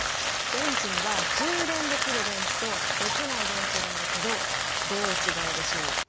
電池には充電できる電池とできない電池があるけどどう違うでしょう？